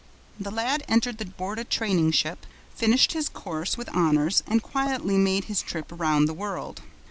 The lad entered the Borda training ship, finished his course with honors and quietly made his trip round the world.